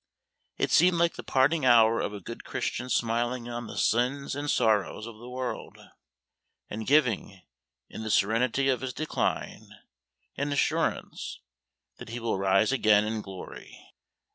It seemed like the parting hour of a good Christian smiling on the sins and sorrows of the world, and giving, in the serenity of his decline, an assurance that he will rise again in glory.